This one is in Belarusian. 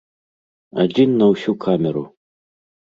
Адзін на ўсю камеру!